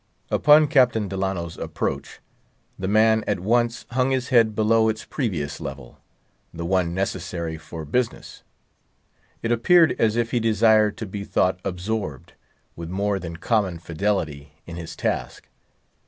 Upon Captain Delano's approach, the man at once hung his head below its previous level; the one necessary for business. It appeared as if he desired to be thought absorbed, with more than common fidelity, in his task.